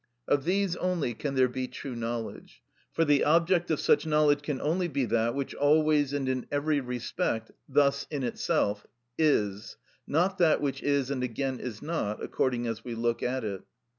Of these only can there be true knowledge, for the object of such knowledge can only be that which always and in every respect (thus in itself) is; not that which is and again is not, according as we look at it."